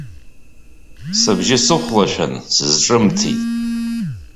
Сыбжьы сыхәлашәан, сызҿымҭит.